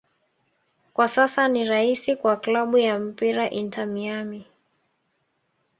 Kwa sasa ni raisi wa klabu ya mpira Inter Miami